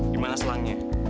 di mana selangnya